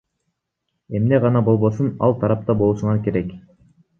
Эмне гана болбосун ал тарапта болушуңар керек.